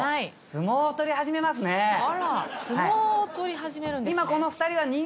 相撲を取り始めるんですね。